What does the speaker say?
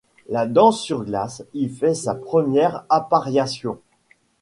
La danse sur glace y fait sa première appariation.